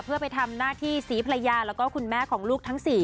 เพื่อไปทำหน้าที่ศรีภรรยาแล้วก็คุณแม่ของลูกทั้ง๔